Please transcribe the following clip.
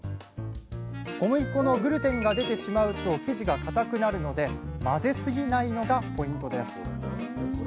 小麦粉のグルテンが出てしまうと生地がかたくなるので混ぜすぎないのがポイントです。